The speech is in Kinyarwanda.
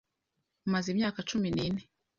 umaze imyaka cumi nine